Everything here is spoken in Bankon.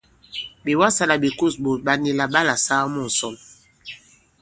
Ɓè wasā àlà ɓè kûs ɓòt ɓà nì là ɓalà saa mu ŋ̀sɔn.